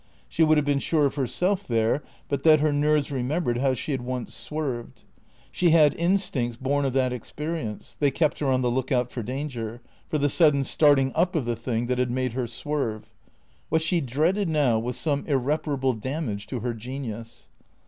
She would have been sure of herself there but that her nerves remembered how she had once swerved. She had instincts born of that experience; they kept her on the lookout for danger, for the sudden starting up of the thing that had made her swerve. What she dreaded now was some irreparable damage to her genius.